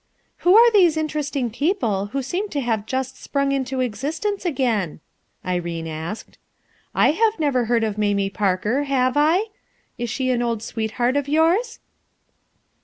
"Who are these interesting people who seem to have just spiling into existence again?" Irene asked, "I have never heard of Mamie Parker, have I? Is she an old sweetheart of yours?"